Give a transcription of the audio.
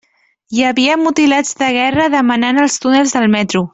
Hi havia mutilats de guerra demanant als túnels del metro.